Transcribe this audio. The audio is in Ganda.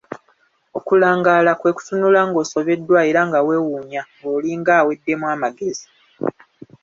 Okulangaala kwe kutunula ng'osobeddwa era nga weewuunya ng'olinga aweddemu amagezi.